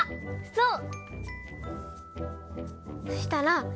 そう！